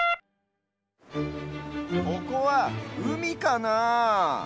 ここはうみかなあ。